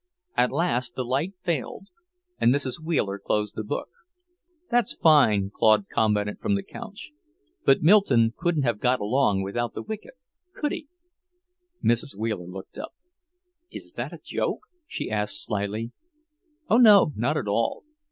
At last the light failed, and Mrs. Wheeler closed the book. "That's fine," Claude commented from the couch. "But Milton couldn't have got along without the wicked, could he?" Mrs. Wheeler looked up. "Is that a joke?" she asked slyly. "Oh no, not at all!